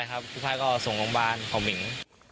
ใช่ครับคุณพ่ายก็ส่งลงบ้านของหมิ๋ง